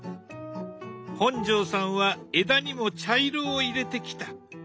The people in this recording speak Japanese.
本上さんは枝にも茶色を入れてきた。